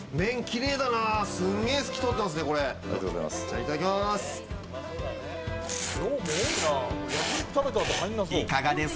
いただきます。